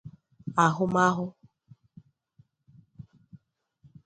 ahụmahụ